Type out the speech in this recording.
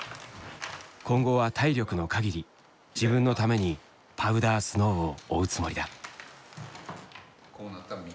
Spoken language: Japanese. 今後は体力の限り自分のためにパウダースノーを追うつもりだ。